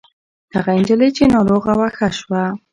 هغه نجلۍ چې ناروغه وه ښه شوه.